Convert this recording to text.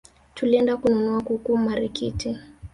Tulienda kununua kuku Marikiti